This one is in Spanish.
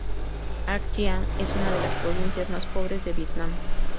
Ha Giang es una de las provincias más pobres de Vietnam.